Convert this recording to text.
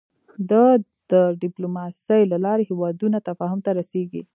د د ډيپلوماسی له لارې هېوادونه تفاهم ته رسېږي.